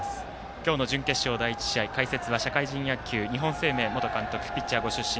今日の準決勝第１試合解説は社会人野球日本生命元監督のピッチャーご出身